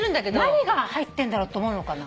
「何が入ってんだろう」って思うのかな。